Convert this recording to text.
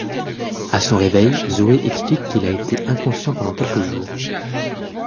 À son réveil, Zoe explique qu'il a été inconscient pendant quelques jours.